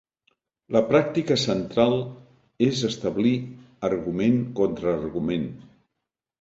La pràctica central és establir argument contra argument.